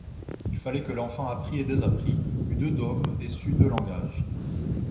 Il fallait que l'enfant apprît et désapprît, eût deux dogmes et sût deux langages.